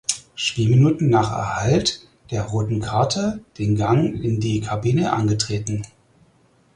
Spielminuten nach Erhalt der roten Karte den Gang in die Kabine antreten.